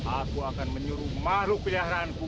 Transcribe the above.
aku akan menyuruh makhluk peliharaanku